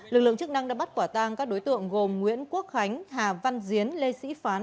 lực lượng chức năng đã bắt quả tang các đối tượng gồm nguyễn quốc khánh hà văn diến lê sĩ phán